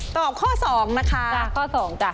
ตอบข้อสองนะคะ